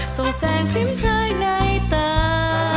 ส่งแสงพริ้มพลายในตา